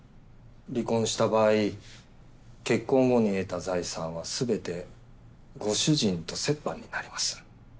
離婚した場合結婚後に得た財産は全てご主人と折半になります。